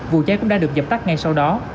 vụ cháy cũng đã được dập tắt ngay sau đó